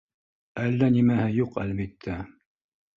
Әллә нимәһе юҡ, әлбиттә